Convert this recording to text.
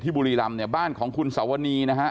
ที่บุรีรัมณ์เนี้ยบ้านของคุณสวนีนะฮะ